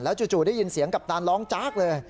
จู่ได้ยินเสียงกัปตันร้องจากเลย